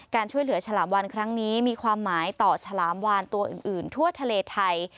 การช่วยเหลือฉลามวานครั้งนี้มีความหมายต่อฉลามวานตัวอื่นทั่วทะเลไทย